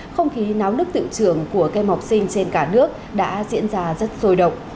không khí náo nước tự trường của kem học sinh trên cả nước đã diễn ra rất rôi động